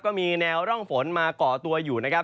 ก็มีแนวร่องฝนมาก่อตัวอยู่นะครับ